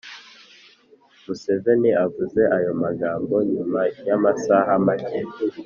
museveni avuze ayo magambo nyuma y’amasaha make